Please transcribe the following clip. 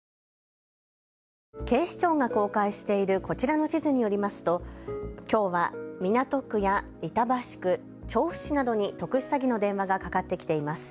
警視庁が公開しているこちらの地図によりますときょうは港区や板橋区、調布市などに特殊詐欺の電話がかかってきています。